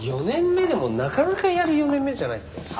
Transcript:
４年目でもなかなかやる４年目じゃないですか？